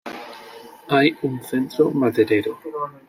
Hay un centro maderero.